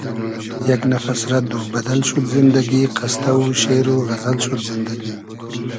یئگ نفس رئد و بئدئل شود زیندئگی قستۂ و شېر و غئزئل شود زیندئگی